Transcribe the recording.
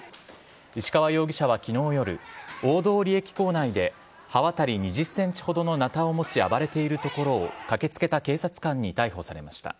石川容疑者はきのう夜、大通駅構内で刃渡り２０センチほどのなたを持ち、暴れているところを駆けつけた警察官に逮捕されました。